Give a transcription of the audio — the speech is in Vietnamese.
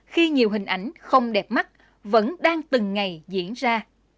khi nhiều hình ảnh không đẹp mắt vẫn đang từng ngày diễn ra